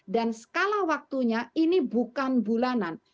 dan skala waktunya ini bukan bulanan